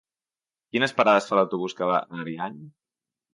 Quines parades fa l'autobús que va a Ariany?